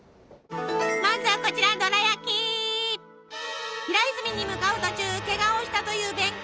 まずはこちら平泉に向かう途中けがをしたという弁慶。